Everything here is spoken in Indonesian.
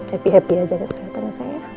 happy happy aja ya selatan saya